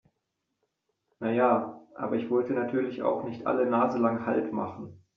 Na ja, aber ich wollte natürlich auch nicht alle naselang Halt machen.